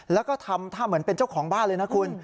แล้วก็ทำท่าเหมือนเป็นเจ้าของบ้านเลยนะคุณ